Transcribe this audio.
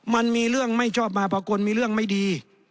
มันมีเรื่องไม่ชอบมาภากลมีเรื่องไม่ดี